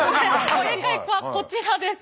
正解はこちらです。